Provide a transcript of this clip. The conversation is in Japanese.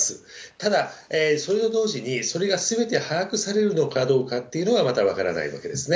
ただ、それと同時に、それがすべて把握されるのかどうかっていうのはまだ分からないわけですね。